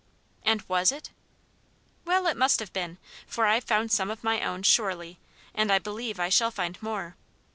"And was it?" "Well, it must have been. For I've found some of my own, surely, and I believe I shall find more.